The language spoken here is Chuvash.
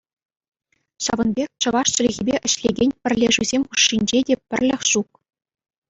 Ҫавӑн пекех чӑваш чӗлхипе ӗҫлекен пӗрлешӳсем хушшинче те пӗрлӗх ҫук.